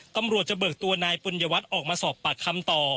ตำรวจจะเบิกตัวนายปุญญวัตรออกมาสอบปากคำต่อ